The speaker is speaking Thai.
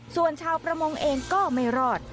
ส่วนชาวประมงเองก็ไม่รอด